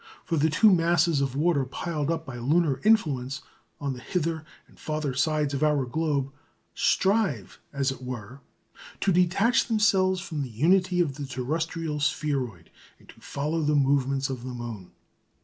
For the two masses of water piled up by lunar influence on the hither and farther sides of our globe, strive, as it were, to detach themselves from the unity of the terrestrial spheroid, and to follow the movements of the moon.